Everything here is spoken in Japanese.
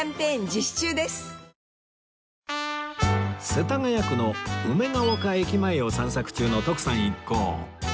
世田谷区の梅ヶ丘駅前を散策中の徳さん一行